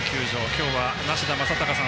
今日は梨田昌孝さん